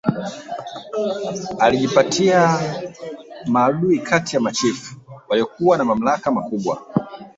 Alijipatia maadui kati ya machifu waliokuwa na mamlaka makubwa